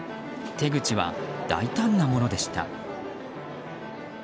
手口は大胆なものでした。